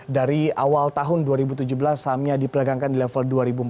dari awal tahun dua ribu tujuh belas sahamnya diperagangkan di level dua ribu empat ratus dua puluh